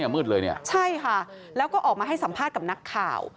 มืดเลยเนี่ยใช่ค่ะแล้วก็ออกมาให้สัมภาษณ์กับนักข่าว